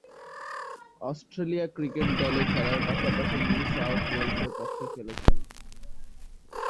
Australia cricket দলে খেলার পাশাপাশি নিউ সাউথ ওয়েলসের পক্ষে খেলছেন।